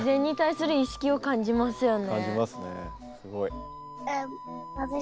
すごい。